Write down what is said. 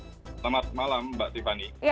selamat malam mbak tiffany